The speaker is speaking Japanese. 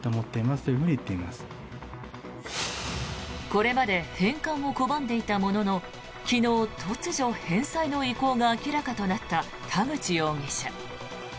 これまで返還を拒んでいたものの昨日突如、返済の意向が明らかとなった田口容疑者。